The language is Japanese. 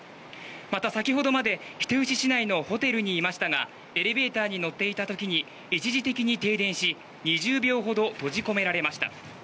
また、先ほどまで人吉市内のホテルにいましたがエレベーターに乗っていた時に一時的に停電し２０秒ほど閉じ込められました。